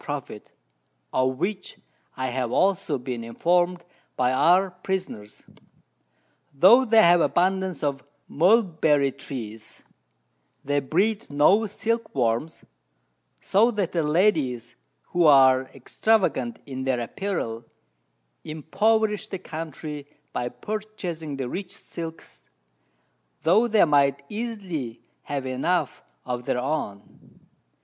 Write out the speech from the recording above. _ Profit, of which I have also been informed by our Prisoners. Though they have abundance of Mulberry trees, they breed no Silk worms; so that the Ladies, who are extravagant in their Apparel, impoverish the Country by purchasing the richest Silks, tho' they might easily have enough of their own.